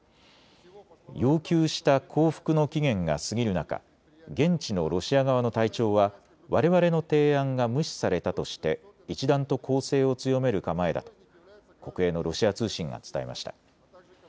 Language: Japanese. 要求した降伏の期限が過ぎる中、現地のロシア側の隊長はわれわれの提案が無視されたとして一段と攻勢を強める構えだと国営のロシア通信が伝えました。